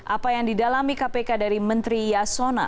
apa yang didalami kpk dari menteri yasona